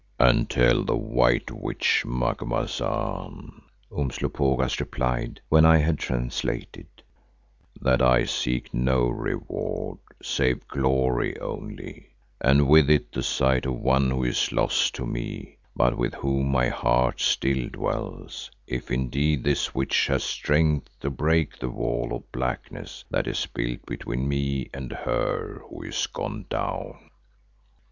"And tell the White Witch, Macumazahn," Umslopogaas replied when I had translated, "that I seek no reward, save glory only, and with it the sight of one who is lost to me but with whom my heart still dwells, if indeed this Witch has strength to break the wall of blackness that is built between me and her who is 'gone down.